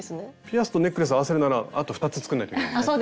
ピアスとネックレス合わせるならあと２つ作んないといけないですね。